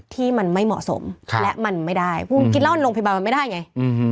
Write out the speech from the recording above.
ที่มันไม่เหมาะสมค่ะและมันไม่ได้พวกมันกินร่อนโรงพยาบาลมันไม่ได้ไงอือฮือ